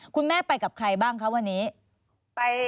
คุณแม่ไปกับใครบ้างคะวันนี้